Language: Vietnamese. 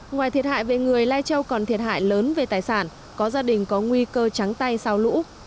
ngoài thiệt hại về người lai châu còn thiệt hại lớn về tài sản có gia đình có nguy cơ trắng tay sau lũ